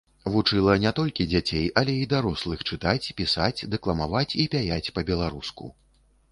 Вучыла не толькі дзяцей, але й дарослых чытаць, пісаць, дэкламаваць і пяяць па-беларуску.